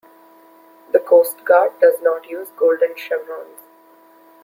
The Coast Guard does not use golden chevrons.